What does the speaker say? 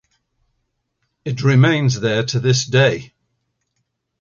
It remains there to this day.